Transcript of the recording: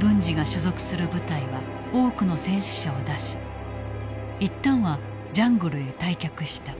文次が所属する部隊は多くの戦死者を出し一旦はジャングルへ退却した。